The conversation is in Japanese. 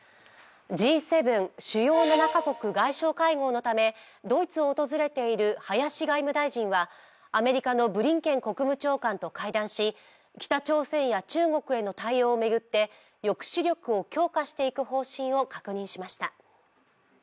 Ｇ７＝主要７か国外相会合のためドイツを訪れている林外務大臣はアメリカのブリンケン国務長官と会談し、北朝鮮や中国への対応を巡って抑止力を強化していく方針を確認しました。